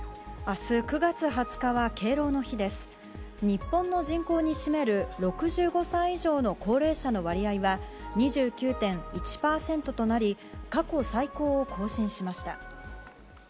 日本の人口に占める６５歳以上の高齢者の割合は２９．１％となり過去最高を更新しました。